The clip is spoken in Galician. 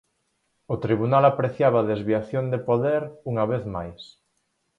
O tribunal apreciaba desviación de poder unha vez máis.